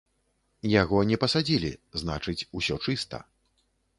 Яго не пасадзілі, значыць, усё чыста.